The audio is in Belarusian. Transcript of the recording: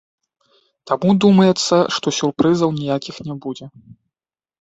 Таму, думаецца, што сюрпрызаў ніякіх не будзе.